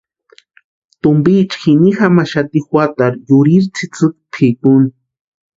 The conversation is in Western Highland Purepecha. Tumpiecha jini jamaxati juatarhu yurhi tsïtsïki pʼikuni.